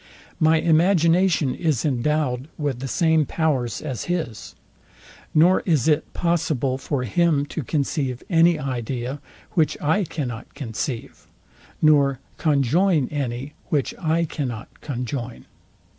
My imagination is endowed with the same powers as his; nor is it possible for him to conceive any idea, which I cannot conceive; nor conjoin any, which I cannot conjoin.